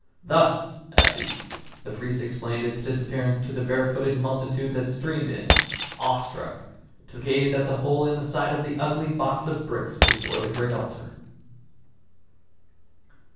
Thus, at least, the priests explained its disappearance to the barefooted multitude that streamed in, awestruck, to gaze at the hole in the side of the ugly box of bricks before the great altar.